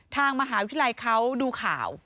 ทางมหาวิทยาลัยเขาดูข่าว